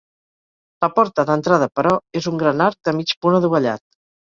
La porta d'entrada, però, és un gran arc de mig punt adovellat.